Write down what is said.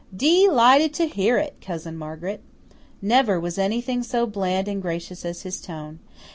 "DE lighted to hear it, Cousin Margaret." Never was anything so bland and gracious as his tone.